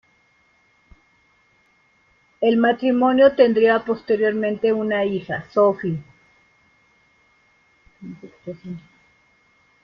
El matrimonio tendría posteriormente una hija, Sofie.